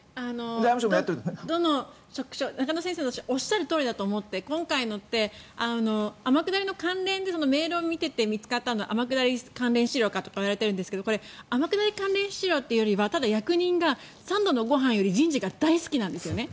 中野先生のおっしゃるとおりで天下りの関連でメールが見つかったのは天下り関連資料かといわれているんですが天下り関連資料というよりはただ役人が３度のご飯より人事が大好きなんですよね。